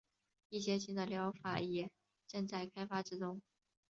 一些新的疗法也正在开发之中。